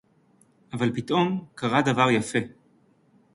אֲבָל פִּתְאוֹם קָרָה דָּבָר יָפֶה.